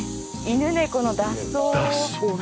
犬猫の脱走を。